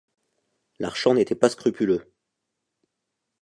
Larchant n’était pas scrupuleux.